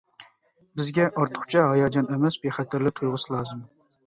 بىزگە ئارتۇقچە ھاياجان ئەمەس، بىخەتەرلىك تۇيغۇسى لازىم.